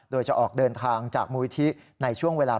โดยจะออกเดินทางจากมูลนิธิในช่วงเวลา